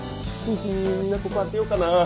みんなここ空けようかな。